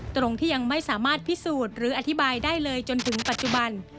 ตรงที่ยังไม่สามารถพิสูจน์หรืออธิบายได้เลยจนถึงปัจจุบัน